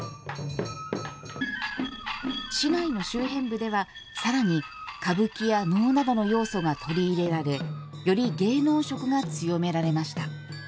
市街の周辺部ではさらに歌舞伎や能などの要素が取り入れられより芸能色が強められました。